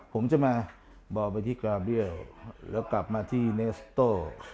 ผมจะมาบอกไปที่กราเบียลแล้วกลับมาที่เนสโต้